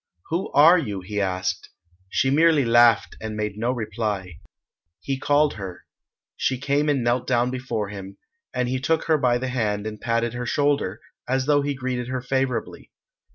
"Who are you?" he asked. She merely laughed and made no reply. He called her. She came and knelt down before him, and he took her by the hand and patted her shoulder, as though he greeted her favourably.